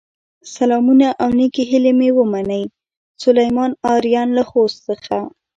سلامونه او نیکې هیلې مې ومنئ، سليمان آرین له خوست څخه